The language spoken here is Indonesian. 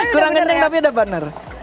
kurang kenceng tapi udah bener